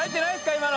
今の。